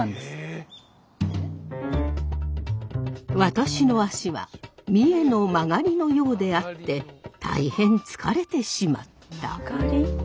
私の足は三重の勾のようであって大変疲れてしまった。